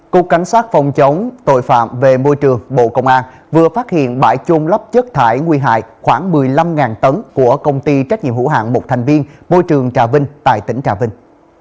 cục cảnh sát phòng chống tội phạm về môi trường bộ công an vừa phát hiện bãi chôn lấp chất thải nguy hại khoảng một mươi năm tấn của công ty trách nhiệm hữu hạng một thành viên bôi trường trà vinh tại tỉnh trà vinh